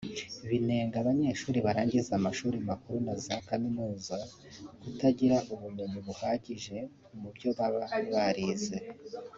binenga abanyeshuri barangiza amashuri makuru na za kaminuza kutagira ubumenyi buhagije mu byo baba barize